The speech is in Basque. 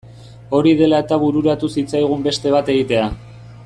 Hori dela eta bururatu zitzaigun beste bat egitea.